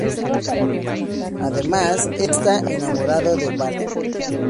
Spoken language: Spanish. Además está enamorado de Batgirl.